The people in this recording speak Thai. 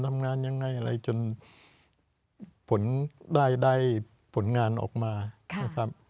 ทำงานยังไงอะไรจนผลได้ได้ผลงานออกมานะครับ